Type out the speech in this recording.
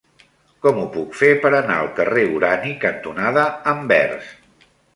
Com ho puc fer per anar al carrer Urani cantonada Anvers?